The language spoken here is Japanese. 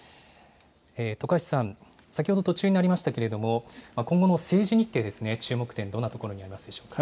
徳橋さん、先ほど途中になりましたけれども、今後の政治日程、注目点、どんなところにありますでしょうか。